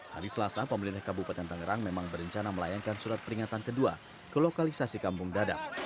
hari selasa pemerintah kabupaten tangerang memang berencana melayangkan surat peringatan kedua ke lokalisasi kampung dadap